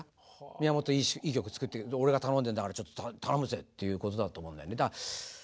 宮本いい曲作って俺が頼んでんだからちょっと頼むぜっていうことだと思うんだよね。